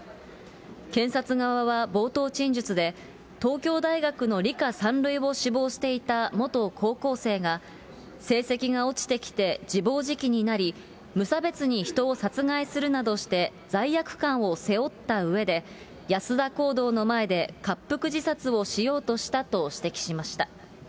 検察側は冒頭陳述で、東京大学の理科三類を志望していた元高校生が成績が落ちてきて自暴自棄になり、無差別に人を殺害するなどして罪悪感を背負ったうえで、安田講堂の前で割腹自殺をしようとしたと指摘しました。